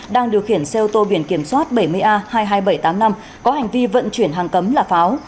đang điều khiển xe ô tô biển kiểm soát bảy mươi a hai mươi hai nghìn bảy trăm tám mươi năm có hành vi vận chuyển hàng cấm là pháo